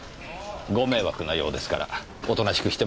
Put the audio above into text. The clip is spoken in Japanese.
ご迷惑なようですからおとなしくしてましょうか。